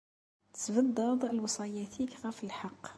Tesbeddeḍ lewṣayat-ik ɣef lḥeqq.